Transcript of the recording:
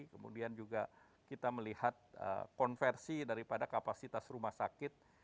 kemudian juga kita melihat konversi daripada kapasitas rumah sakit